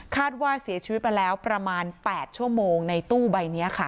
ว่าเสียชีวิตมาแล้วประมาณ๘ชั่วโมงในตู้ใบนี้ค่ะ